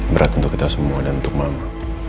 berat untuk kita semua dan untuk mampu